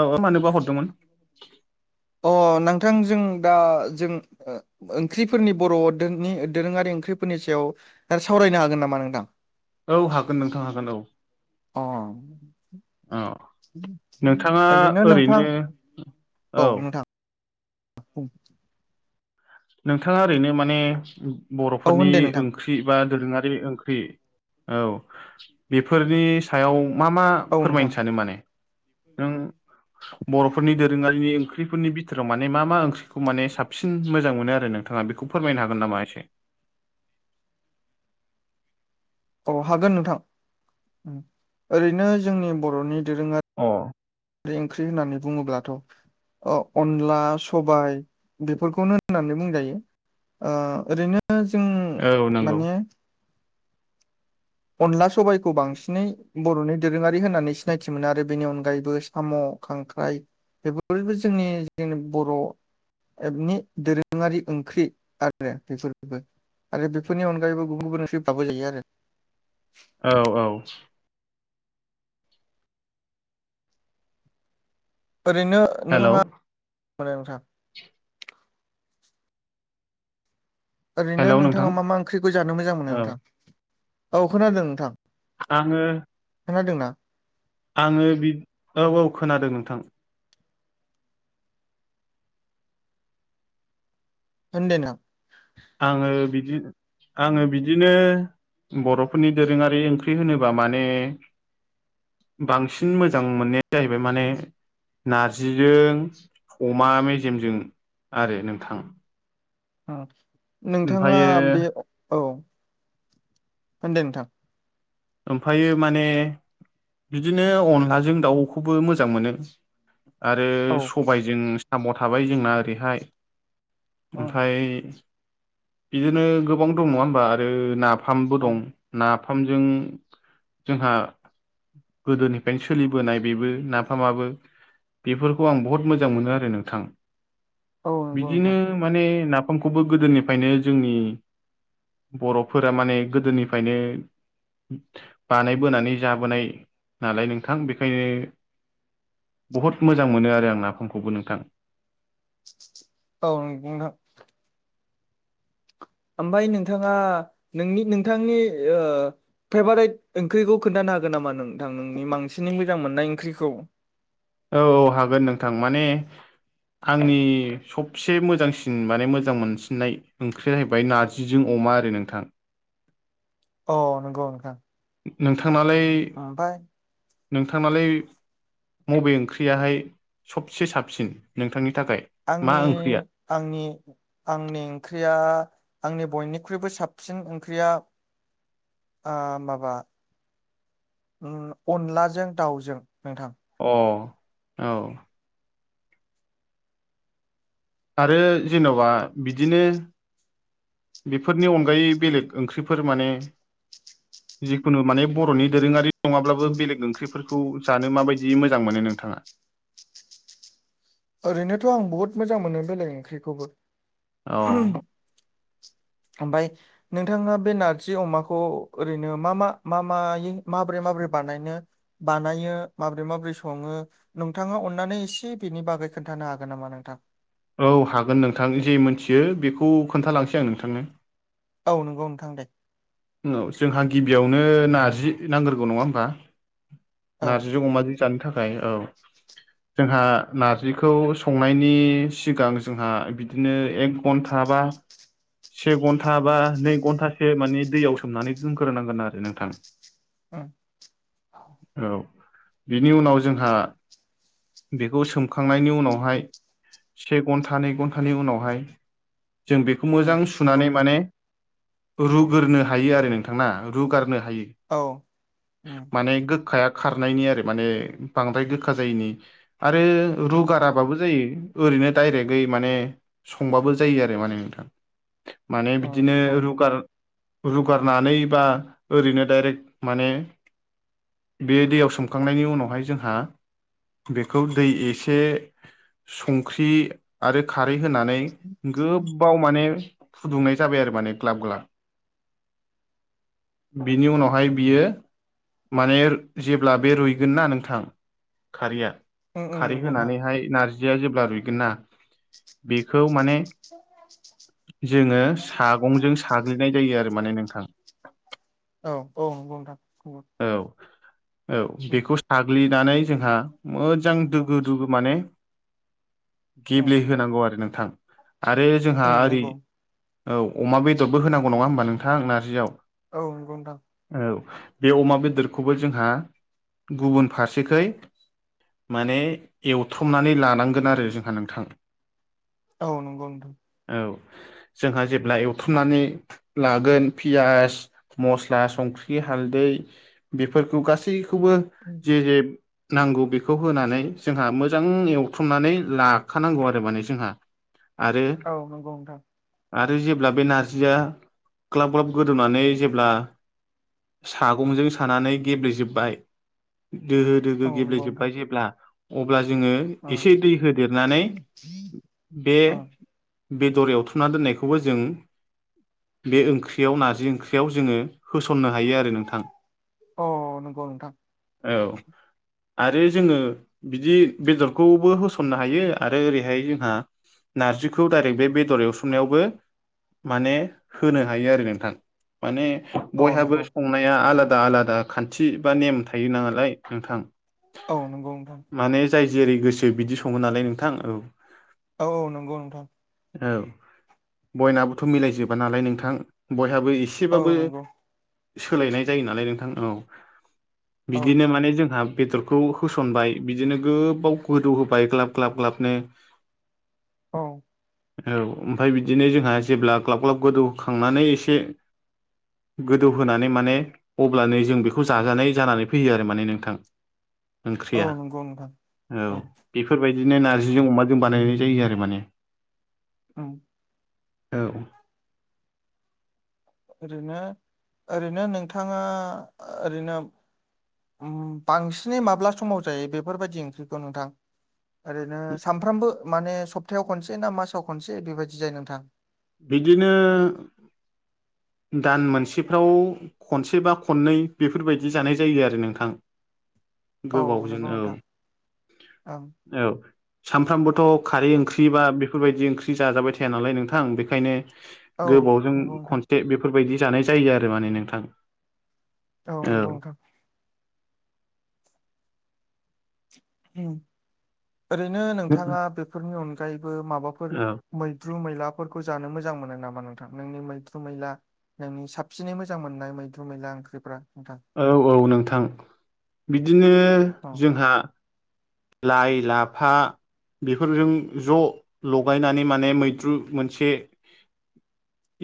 औ मानोबा हरदोंमोन अ नोंथांजों दा जों ओंख्रिफोरनि बर'नि दोरोङारि ओंख्रिफोरनि सायाव सावरायनो हागोन नामा नोंथां औ हागोन नोंथां हागोन औ अ औ नोंथाङा ओरैनो औ [inaudible] नोंथाङा ओरैनो माने औ बर'फोरनि होन दे ओं नोंथां ओंख्रि बा दोरोङारि ओंख्रि औ बेफोरनि सायाव मा मा फोरमायनो सानो माने नों बेबादि बर'फोरनि दोरोङारिनि ओंख्रिफोरनि बिथोराव माने मा मा ओंख्रिखौ माने साबसिन मोजां मोनो आरो नोंथाङा बेखौ फोरमायनो हागोन नामा एसे औ हागोन नोंथां ओरैनो जोंनि बर'नि दोरोङारि अ बे ओंख्रि होननानै बुङोब्लाथ अ अनला सबाय बेफोरखौनो होननानै बुंजायो ओरैनो जों औ नंगौ माने अनला सबाइखौ बांसिनै बर'नि दोरोङारि होननानै सिनायथि मोनो आरो बेनि अनगायैबो साम खांख्राइ बेफोरबो जोंनि जोंनि बर' नि दोरोङारि ओंख्रि आरो बेफोरबो आरो बेफोरनि अनगायैबो गुबुन गुबुन ओंख्रि बाबो जायो आरो औ औ ओरैनो हेलौ नोंथाङा नोंथां ओरैनो हेलौ नोंथां नोंथाङा मा मा ओंख्रिखौ जानो मोजां मोनो औ नोंथां औ खोनादों नोंथां आङो खोनादोंना आङो बि औ औ खोनादों नोंथां होन दे नों आङो बिदि आङो बिदिनो बर'फोरनि दोरोङारि ओंख्रि होनोब्ला माने बांसिन मोजां मोननाया जाहैबाय माने नारजिजों अमा मेजेमजों आरो नोंथां नोंथाङा ओमफ्रायो बे औ होनदो नोंथां ओमफ्रायो माने बिदिनो अनलाजों दाउखौबो मोजां मोनो आरो औ सबायजों साम थाबाय जोंना ओरैहाय उम ओमफ्राय बिदिनो गोबां दं नङा होमबा आरो नाफामबो औ दं नाफामजों जोंहा गोदोनिफ्रायनो सोलिबोनाय बेबो नाफामाबो बेफोरखौ आं बहुत मोजां मोनो आरो नोंथां औ नंगौ बिदिनो नोंथां माने नाफामखौबो गोदोनिफ्रायनो जोंनि बर'फोरा माने गोदोनिफ्रायनो बानायबोनानै जाबोनाय नालाय नोंथां बेखायनो बहुत मोजां मोनो आरो आं नाफामखौबो नोंथां औ नंगौ नोंथां ओमफ्राय नोंथाङा नोंनि नोंथांनि ओ फ्रेभारेट ओंख्रिखौ खोन्थानो हागोन नामा नोंथां नोंनि बांसिननि मोजां मोननाय ओंख्रिखौ औ औ हागोन नोंथां माने आंनि सबसे मोजांसिन माने मोजां मोनसिननाय ओंख्रिया जाहैबाय नारजिजों अमा आरो नोंथां अ नंगौ नोंथां नोंथांनालाय ओमफाय नोंथांनालाय मबे ओंख्रियाहाय सबसे साबसिन नोंथांनि थाखाय मा आंनि ओंख्रिया आंनि आंनि ओंख्रिया आंनि बयनिख्रुइबो साबसिन ओंख्रिया माबा अनलाजों दाउजों नोंथां अ औ आरो जेनबा बिदिनो बेफोरनि अनगायै बेलेग ओंख्रिफोर माने जिखुनु माने बर'नि दोरोङारि नङाब्लाबो बेलेग ओंख्रिफोरखौ जानो माबायदि मोजां मोनो नोंथाङा ओरैनोथ' आं बुहुत मोजां मोनो बेलेग ओंख्रिखौबो औ ओमफाय नोंथाङा बे नारजि अमाखौ ओरैनो मा मा मा मायै माबोरै माबोरै बानायनो बानायो माबोरै माबोरै सङो नोंथाङा अननानै एसे बेनि बागै खोनथानो हागोन नामा नोंथां औ हागोन नोंथां जि मिथियो बेखौ खोन्थालांसै आं नोंथांनो औ नंगौ नोंथां दे औ जोंहा गिबियावनो नारजि नांग्रोगौ नङा ओमबा औ नार्जिजों अमाजों जानो थाखाय औ जोंहा नारजिखौ संनायनि सिगां जोंहा बिदिनो एक घन्टा बा से घन्टा बा नै घन्टासो माने दैयाव सोमनानै दोनग्रोनांगोन आरो नोंथां। ओं औ बिनि उनाव जोंहा बेखौ सोमखांनायनि उनावहाय से घन्टा नै घन्टानि उनावहाय जों बेखौ उम मोजाङै नंगौ सुनानै नोंथां माने रुग्रनो हायो आरो नोंथां ना रुगारनो हायो औ उम माने गोखाया खारनायनि आरो माने बांद्राय गोखा जायैनि आरो उम रुगाराबाबो जायो ओरैनो डाइरेक्टयै माने संबाबो जायो आरो माने नोंथां माने अ बिदिनो नंगौ नोंथां रुगार रुगारनानै बा ओरैनो दडाइरेक्ट माने बे दैयाव सोमखांनायनि उनावहाय जोंहा बेखौ दै एसे संख्रि आरो खारै होनानै गोबाव माने फुदुंनाय जाबाय आरो माने ग्लाब ग्लाब बिनि उनावहाय बियो माने जेब्ला बे रुइगोन ना नोंथां खारैया उम उम खारै नंगौ नोंथां होनानैहाय नारजिया जेब्ला रुइगोन ना बेखौ माने जोङो सागंजों साग्लिनाय जायो आरो माने नोंथां औ औ नंगौ नोंथां औ औ उम बेखौ साग्लिनानै जोंहा मोजां उम दोगो दोगो माने गेब्लेहोनांगौ आरो नोंथां आरो जोंहा उम ओरै नंगौ औ अमा बेदरबो होनांगौ नंङा होमबा नोंथां नारजियाव औ नंगौ नोंथां औ बे अमा बेदरखौबो जोंहा गुबुन फारसेखै माने एवथ्रमनानै लानांगोन आरो जोंहा नोंथां औ नंगौ नोंथां औ जोंहा जेब्ला एवथुमनानै लागोन पियास मस्ला संख्रि हालदै बेफोरखौ गासैखौबो उम जि जे नांगौ बेखौ होनानै जोंहा मोजां एवथुमनानै लाखानांगौ आरो माने जोंहा आरो औ नंगौ नोंथां आरो जेब्ला बे नारजिया ग्लाब ग्लाब गोदौनानै जेब्ला सागंजों सानानै गेब्लेेजोबबाय दोहो दोहो औ नंगौ गेब्लेेजोब्बाय नोंथां जेब्ला अब्ला जोंङो उम उम एसे दै होदेरनानै बे बेदर एवथुना दोननायखौबो जों बे ओंख्रियाव नारजि ओंख्रियाव जोंङो होसननो हायो आरो नोंथां अ नंगौ नोंथां औ आरो जोंङो बिदि बेदरखौबो होसननो हायो आरो ओरैहाय जोंहा नार्जिखौ डायरेक्ट बे बेदर एवसोमनायावबो माने होनो हायो आरो नोंथां माने औ बयहाबो नंगौ संनाया आलादा आलादा खान्थि बा नेम थायो नांलाय नोंथां औ नंगौ नोंथां माने जाय जेरै गोसो बिदि संङो नालाय नोंथां औ औ औ नंगौ नोंथां औ बयनाबोथ' मिलायजोबा नालाय नोंथां बयहाबो एसे औ नंगौ सोलायनाय जायो नालाय नोंथां औ औ बिदिनो माने जोंहा बेदर बे खौ होसनबाय बिदिनो गोबाव गोदौ होबाय ग्लाब ग्लाब ग्लाबनो औ औ ओमफ्राय बिदिनो जोंहा जेब्ला ग्लाब ग्लाब गोदौखांनानै एसे गोदौ होनानै माने अब्लानो जों बेखौ जाजानाय जानानै फैयो आरो माने नोंथां औ ओंख्रिया नंगौ नोंथां औ ओं बेफोरबायदिनो नार्जिजों अमाजों बानायनाय जायो आरो माने औ औ ओरैनो ओरैनो नोंथांङा ओरैनो बांसिनै माब्ला समाव जायो बेफोरबायदि ओंख्रिखौ नोंथां ओरैनो सानफ्रामबो माने सप्तायाव खनसे ना मासाव खनसे बेबायदि जायो नोंथां बिदिनो दान मोनसेफ्राव खनसे बा खननै बेफोरबायदि जानाय जायो आरो नोंथां औ गोबावजों नंगौ औ नोंथां ओं औ सामफ्रामबोथ' खारै ओंख्रि बा बेफोरबायाददि ओंख्रि जाजाबाय थाया नालाय नोंथां बेनिखायनो औ गोबावजों नंगौ नोंथां खनसे बेफोरबायाददि जानाय जायो आरो माने नोंथां औ नंगौ ओरैनो नोंथांङा बेफोरनि अनगायैबो माबाफोर औ मैद्रु मैलाफोरखौ जानो मोजां मोनो नामा नोंथां नोंनि मैद्रु मैला नोंनि साबसिनै मोजां मोननाय मैद्रु मैला ओंख्रिफ्रा नोंथां औ औ नोंथां बिदिनो औ जोंहा लाइ लाफा बेफोरजों ज' लगायनानै माने मैद्रु मोनसे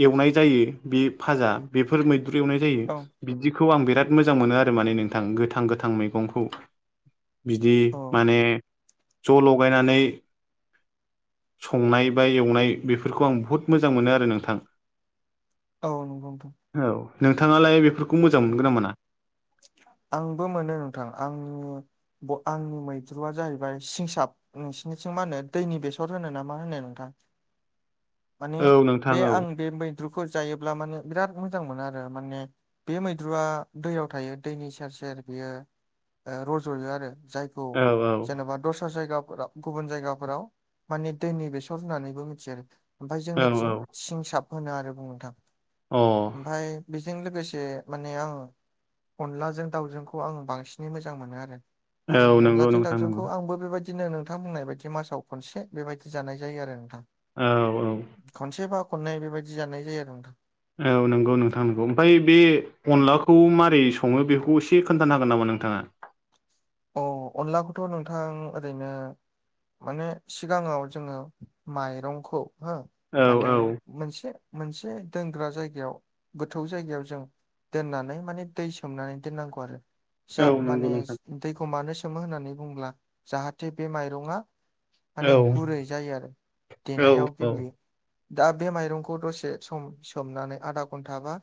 एवनाय जायो बे फाजा बेफोर मैद्रु एवनाय औ जायो बिखौ आं बिराद मोजां मोनो आरो माने नोंथां गोथां गोथां मैगंखौ बिदि औ माने ज' लगायनानै संनाय बा एवनाय बेफोरखौ आं बुहुद मोजां मोनो आरो नोंथां औ नंगौ नोंथां औ नोंथाङालाय बेफोरखौ मोजां औ मोनगोना मोना आंबो मोनो नोंथां आंनि आंनि मैद्रुआ जाहैबाय सिंसाब नोंसिोरनिथिं मा होनो दैनि बेसर होनो ना मा होनो नोंथां [inaudible] माने औ नोंथां बे औ आं बे मैद्रुखौ जायोब्ला माने बिराद मोजां मोनो आरो माने बे मैद्रुआ दैयाव थायो दैनि सेर सेर बेयो ओ रज'यो आरो जाय औ जेनेबा दस्रा जायगाफोराव गुबुन जायगाफोराव माने दैनि बेसर होननानैबो मिथियो ओमफ्राय औ जोंनिथिं सिंसाब होनो आरो बुंङो नोंथां अ ओमफ्राय बेजों लोगोसे से माने आं अनलाजों दाउजोंखौ आं बांसिनै मोजां मोनो आरो अ आं औ नंगौ अनलाजों नोंथां नंगौ दावजोंखौ आंबो बेबायदि दिननो नोंथां बुंनाय बायदि मासाव खनसे बेबायदि जानाय जायो आरो नोंथां औ औ खनसेबा खननै बेबायदि जानाय जायो आरो नोंथां औ नंगौ नोंथां नंगौ ओमफ्राय बे अनलाखौ मारै सङो बेखौ एसे खोन्थानो हागोन नामा नोंथाङा औ अनलाखौथ' नोंथां ओरैनो माने सिगाङाव जोङो माइरंखौ हो औ माने औ मोनसे मोनसे दोनग्रा जायगायाव गोथौ जायगायाव जों दोननानै माने दै सोमनानै दोननांगौ आरो जा औ माने नंगौ नोंथां दैखौ मानो सोमो होननानै बुंङोब्ला जाहाथे बे माइरङा औ माने गुरै जायो आरो औ देनायाव औ गेब्लेयो दा बे माइरंखौ दसे सम सोमनानै आधा घन्टा बा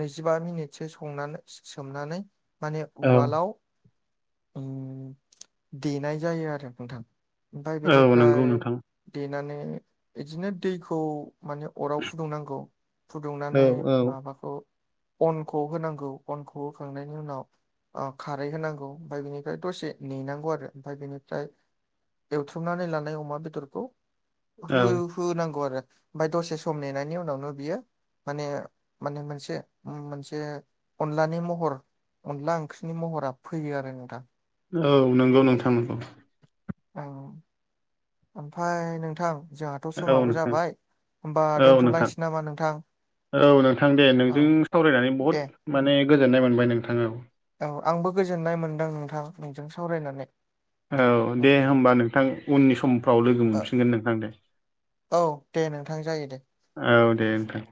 नैजिबा मिनिटसो संनानै सोमनानै माने औ उवालाव उम देनाय जायो आरो नोंथां ओमफ्राय औ नंगौ बेनिफ्राय नोंथां देनानै बिदिनो दैखौ माने अराव फुदुंनांगौ औ फुदुंनानै औ माबाखौ अनखौ होनांगौ अनखौ होखांनायनि उनाव ओ खारै होनांगौ ओमफ्राय बेनिफ्राय दसे नेनांगौ आरो ओमफ्राय बेनिफ्राय एवथ्रुमनानै लानाय अमा बेदरखौ औ हो होनांगौ आरो ओमफ्राय दसे सम नेनायनि उनावनो बियो माने माने मोनसे मोनसे अनलानि महर अनला ओंख्रिनि महरा फैयो आरो नोंथां औ नंगौ नोंथां नंगौ औ ओमफ्राय नोंथां जोंहाथ' औ समाबो नोंथां जाबाय होनोमबा औ नोंथां दोन्थ'लायसै नामा नोंथां औ नोंथां दे औ नोंजों सावरायनानै दे बहुद माने गोजोननाय मोनबाय नोंथाङ औ औ आंबो गोजोननाय मोनदों नोंथां नोंजों सावरायनानै औ दे होमबा नोंथां उननि समफ्राव लोगो ओ- मोनफिनगोन नोंथां दे। औ दे नोंथां जायो दे। औ दे नोंथां।